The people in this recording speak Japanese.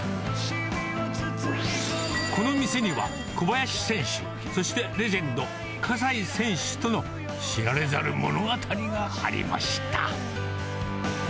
この店には、小林選手、そしてレジェンド、葛西選手との知られざる物語がありました。